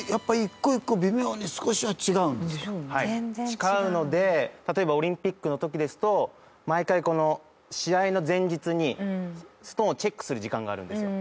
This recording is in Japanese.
違うので例えばオリンピックの時ですと毎回試合の前日にストーンをチェックする時間があるんですよ。